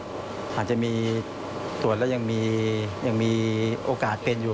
อาจจะมีตรวจแล้วยังมีโอกาสเป็นอยู่